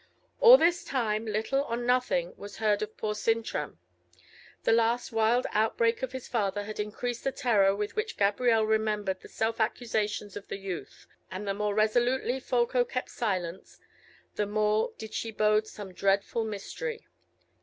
All this time little or nothing was heard of poor Sintram. The last wild outbreak of his father had increased the terror with which Gabrielle remembered the self accusations of the youth; and the more resolutely Folko kept silence, the more did she bode some dreadful mystery.